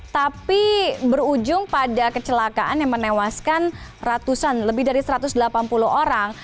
tapi berujung pada kecelakaan yang menewaskan ratusan lebih dari satu ratus delapan puluh orang